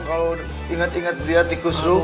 kalau ingat ingat dia tikus lu